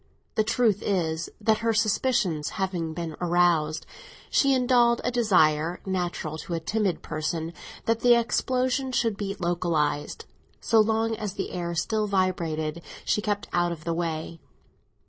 The truth is, that her suspicions having been aroused, she indulged a desire, natural to a timid person, that the explosion should be localised. So long as the air still vibrated she kept out of the way.